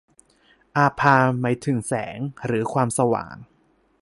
อาภา หมายถึงแสงหรือความสว่าง